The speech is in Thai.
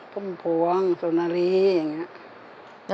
ทุ่มภวงสนารีย์อย่างนี้